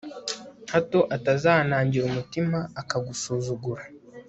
hato atazanangira umutima, akagusuzugura